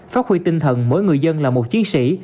phát huy tinh thần mỗi người dân là một chiến sĩ